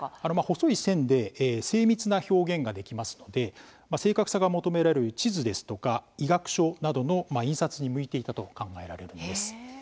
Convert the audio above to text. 細い線で精密な表現ができますのでまあ正確さが求められる地図ですとか医学書などの印刷に向いていたと考えられるんです。